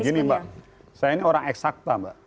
gini mbak saya ini orang eksakta mbak